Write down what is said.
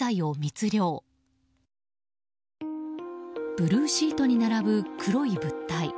ブルーシートに並ぶ黒い物体。